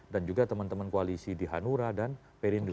dan juga teman teman koalisi di hanura dan perindu